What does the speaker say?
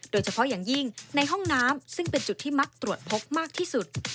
โดยเฉพาะอย่างยิ่งในห้องน้ำซึ่งเป็นจุดที่มักตรวจพบมากที่สุด